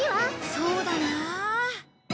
そうだなあ。